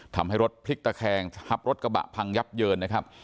ทำให้รถพลิกตะแคงทับรถกระบะพังยับเยินนะครับ